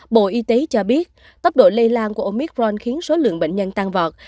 bộ y tế cho biết tốc độ lây lan của omicron khiến số lượng bệnh nhân tăng vọt